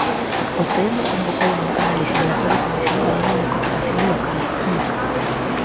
Vostede non convocou nunca na lexislatura a Comisión Galega de Cooperación Local, nunca.